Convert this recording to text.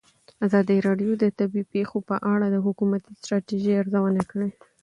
ازادي راډیو د طبیعي پېښې په اړه د حکومتي ستراتیژۍ ارزونه کړې.